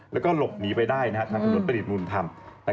และก็หลบหนีไปได้ทางคำนวจประดิษฐ์มูลธรรม